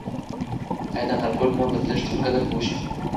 ایا د انارګل مور به د لښتې په قدر پوه شي؟